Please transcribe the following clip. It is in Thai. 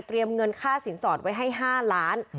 เงินค่าสินสอดไว้ให้๕ล้าน